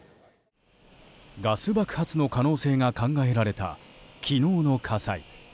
ガス爆発の可能性が考えられた昨日の火災。